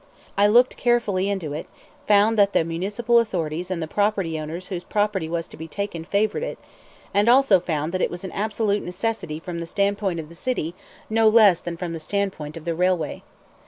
I looked carefully into it, found that the municipal authorities and the property owners whose property was to be taken favored it, and also found that it was an absolute necessity from the standpoint of the city no less than from the standpoint of the railway.